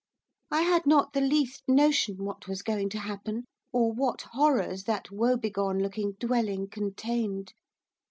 I had not the least notion what was going to happen, or what horrors that woebegone looking dwelling contained.